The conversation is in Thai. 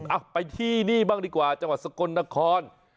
อ่ะไปที่นี่บ้างดีกว่าจังหวัดสกลนคร